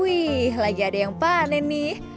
wih lagi ada yang panen nih